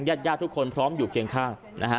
ยาร์ดร้อยทุกคนพร้อมอยู่เคียงข้าง